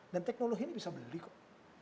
dan teknologi ini bisa beli kok